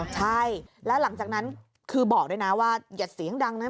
ใช่แล้วหลังจากนั้นคือบอกด้วยนะว่าอย่าเสียงดังนะ